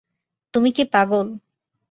তুমি কি পাগল?